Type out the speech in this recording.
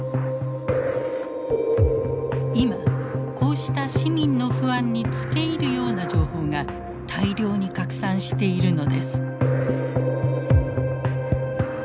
今こうした市民の不安につけいるような情報が大量に拡散しているのです。